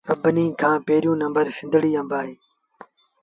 سڀنيٚ کآݩ پيريوݩ نمبر سنڌڙيٚ آݩب اهي